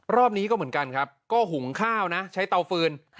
รอบนี้ก็เหมือนกันครับก็หุงข้าวนะใช้เตาฟืน